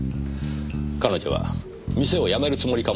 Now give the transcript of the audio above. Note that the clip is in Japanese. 彼女は店を辞めるつもりかもしれません。